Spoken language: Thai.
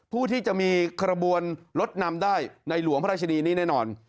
ผู้ที่จะมีขบวนรถนำได้ในหลวงพระราชนีนี้แน่นอน